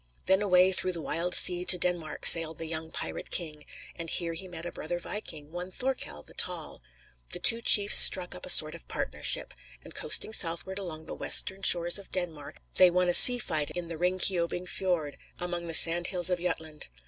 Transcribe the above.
Then away "through the wild sea" to Denmark sailed the young pirate king, and here he met a brother viking, one Thorkell the Tall. The two chiefs struck up a sort of partnership; and coasting southward along the western shores of Denmark, they won a sea fight in the Ringkiobing Fiord, among the "sand hills of Jutland."